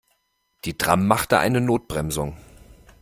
Die Tram machte eine Notbremsung.